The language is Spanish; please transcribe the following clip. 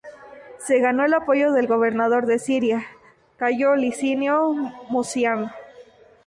Se ganó el apoyo del gobernador de Siria, Cayo Licinio Muciano.